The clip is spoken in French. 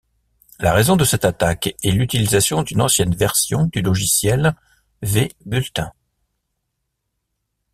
La raison de cette attaque est l'utilisation d'une ancienne version du logiciel vBulletin.